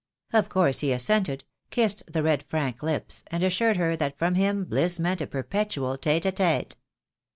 Of course he assented, kissed the red frank lips, and assured her that for him bliss meant a perpetual tete a tete.